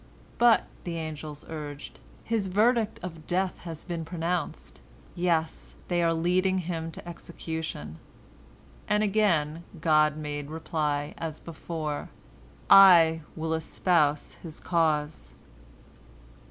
"But," the angels urged, "his verdict of death has been pronounced—yes, they are leading him to execution," and again God made reply, as before, "I will espouse his cause."